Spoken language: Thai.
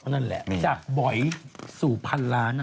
นั่นแหละจากบอยสู่พันล้าน